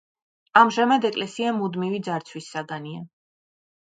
ამჟამად ეკლესია მუდმივი ძარცვის საგანია.